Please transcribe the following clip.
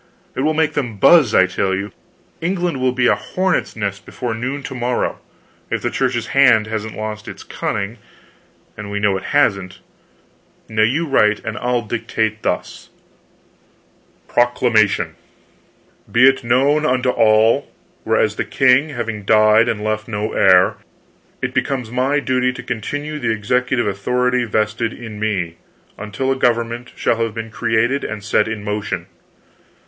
"It will make them buzz, I tell you! England will be a hornets' nest before noon to morrow, if the Church's hand hasn't lost its cunning and we know it hasn't. Now you write and I'll dictate thus: "PROCLAMATION "BE IT KNOWN UNTO ALL. Whereas the king having died and left no heir, it becomes my duty to continue the executive authority vested in me, until a government shall have been created and set in motion.